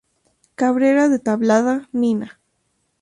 Cabrera de Tablada, Nina.